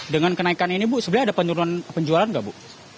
dengan kenaikan ini bu sebenarnya ada penurunan penjualan nggak bu